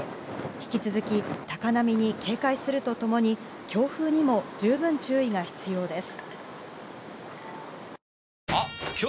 引き続き、高波に警戒すると共に強風にも十分注意が必要です。